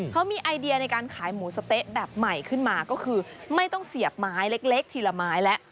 เขามีไอเดียในการขายหมูสะเต๊ะแบบใหม่ขึ้นมาก็คือไม่ต้องเสียบไม้เล็กทีละไม้แล้ว